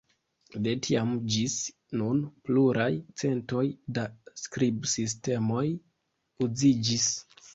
De tiam ĝis nun pluraj centoj da skribsistemoj uziĝis.